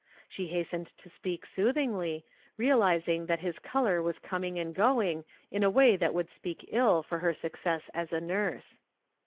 She hastened to speak soothingly, realizing that his color "was coming and going in a way that would speak ill for her success as a nurse.